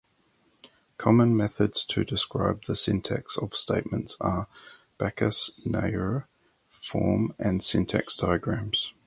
Common methods to describe the syntax of statements are Backus-Naur form and syntax diagrams.